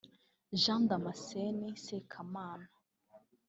Jean Damascene Sekamana